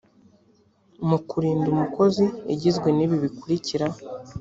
mu kurinda umukozi igizwe n ibi bikurikira